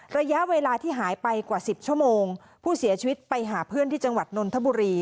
ระยะเวลาที่หายไปกว่า๑๐ชั่วโมงผู้เสียชีวิตไปหาเพื่อนที่จังหวัดนนทบุรี